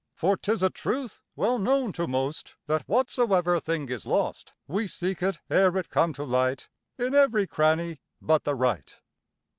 For 'tis a truth well known to most, That whatsoever thing is lost, We seek it, ere it come to light, In every cranny but the right.